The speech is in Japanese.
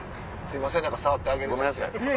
すいません何か触ってあげれなくて。